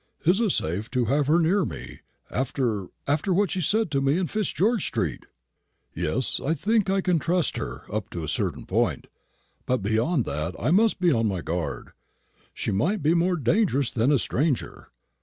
"Is it safe to have her near me after after what she said to me in Fitzgeorge street? Yes, I think I can trust her, up to a certain point; but beyond that I must be on my guard. She might be more dangerous than a stranger.